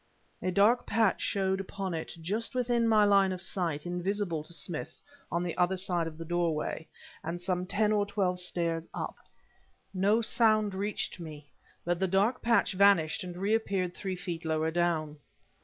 A dark patch showed upon it, just within my line of sight, invisible to Smith on the other side of the doorway, and some ten or twelve stairs up. No sound reached me, but the dark patch vanished and reappeared three feet lower down.